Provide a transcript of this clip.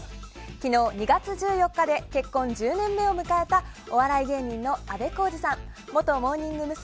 昨日２月１４日で結婚１０年目を迎えたお笑い芸人あべこうじさん元モーニング娘。